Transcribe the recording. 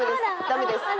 ダメです。